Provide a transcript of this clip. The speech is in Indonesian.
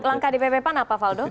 langkah dpp pan apa valdo